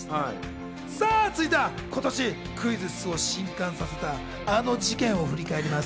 続いたら今年クイズッスを震撼させたあの事件を振り返ります。